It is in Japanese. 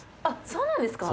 そうなんです。